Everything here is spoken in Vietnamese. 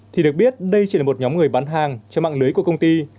thì được biết đây chỉ là một nhóm người bán hàng cho mạng lưới của công ty